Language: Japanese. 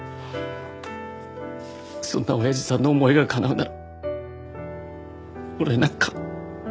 そんなおやじさんの思いがかなうなら俺なんか。